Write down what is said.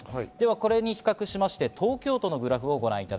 これに比較して東京都のグラフです。